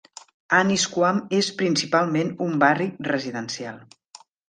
Annisquam és principalment un barri residencial.